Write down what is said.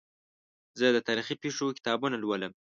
زه د تاریخي پېښو کتابونه لولم.